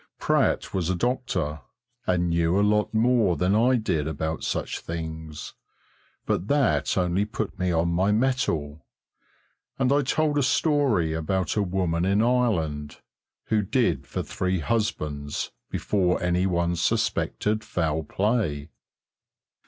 Pratt was a doctor, and knew a lot more than I did about such things, but that only put me on my mettle, and I told a story about a woman in Ireland who did for three husbands before any one suspected foul play.